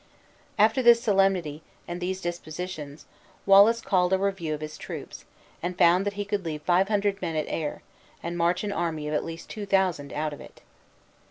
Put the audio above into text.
After this solemnity, and these dispositions, Wallace called a review of his troops; and found that he could leave five hundred men at Ayr, and march an army of at least two thousand out of it.